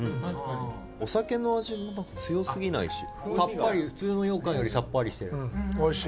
お酒の味も強すぎないし普通の羊羹よりさっぱりしてる。